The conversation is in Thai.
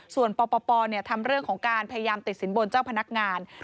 ส่วนปปทำเรื่องของการพยายามติดสินบนเจ้าพนักงาน